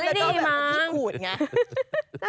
มันก็แบบว่าที่กู๋ดไง